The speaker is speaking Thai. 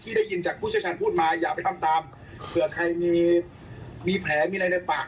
ได้ยินจากผู้เชี่ยวชาญพูดมาอย่าไปทำตามเผื่อใครมีมีแผลมีอะไรในปาก